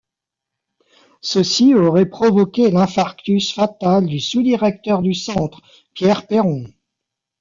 Ceci aurait provoqué l'infarctus fatal du sous-directeur du centre, Pierre Péron.